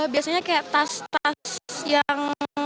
biasanya kayak tas tas yang